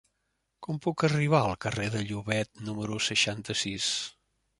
Com puc arribar al carrer de Llobet número seixanta-sis?